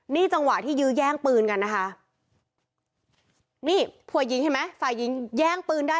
นี่จังหวะที่ยื้อแย่งปืนกันนะคะนี่ผัวยิงเห็นไหมฝ่ายยิงแย่งปืนได้